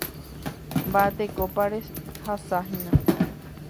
Mba'etekópa rehasahína.